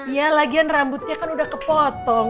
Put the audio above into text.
ya lagian rambutnya kan udah kepotong